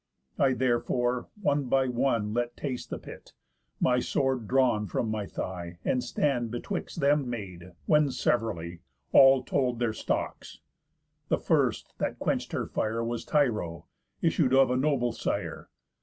I, therefore, one by one Let taste the pit, my sword drawn from my thigh, And stand betwixt them made, when, sev'rally, All told their stocks. The first, that quench'd her fire, Was Tyro, issued of a noble sire.